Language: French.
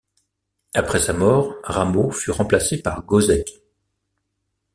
Après sa mort, Rameau fut remplacé par Gossec.